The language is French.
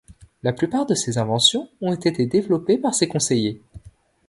La plupart de ses inventions ont été développées par ses conseillers.